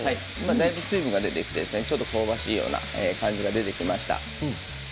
だいぶ水分が出てきて香ばしい感じが出てきました。